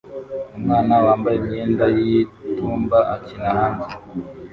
Umwana wambaye imyenda y'itumba akina hanze